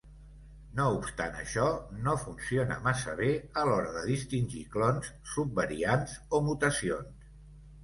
No obstant això, no funciona massa bé a l'hora de distingir clons, subvariants o mutacions.